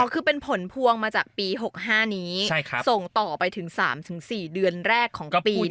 คือเป็นผลพวงมาจากปี๖๕นี้ส่งต่อไปถึง๓๔เดือนแรกของปี